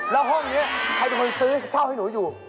แล้วห้องนี้ใครเป็นคนซื้อเช่าให้หนูอยู่